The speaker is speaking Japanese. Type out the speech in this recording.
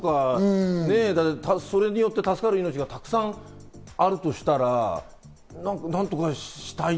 それによって助かる命がたくさんあるとしたら、何とかしたい。